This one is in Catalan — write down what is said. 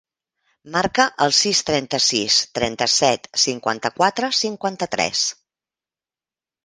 Marca el sis, trenta-sis, trenta-set, cinquanta-quatre, cinquanta-tres.